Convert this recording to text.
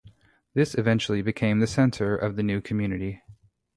This eventually became the center of the new community.